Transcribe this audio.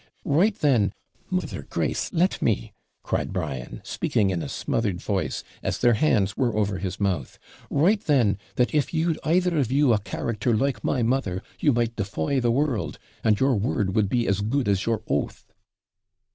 'Write, then mother, Grace let me,' cried Brian, speaking in a smothered voice, as their hands were over his mouth. 'Write then, that, if you'd either of you a character like my mother, you might defy the world; and your word would be as good as your oath.'